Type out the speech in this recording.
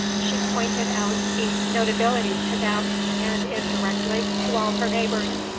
She pointed out each notability to them, and indirectly, to all her neighbours.